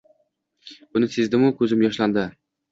Buni sezdim-u, ko`zim yoshlandi